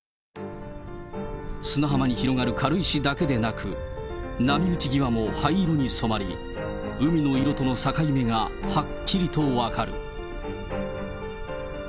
砂浜に広がる軽石だけでなく、波打ち際も灰色に染まり、海の色との境目がはっきりと分かる。